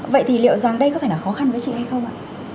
vậy thì liệu rằng đây có phải là khó khăn với chị hay không ạ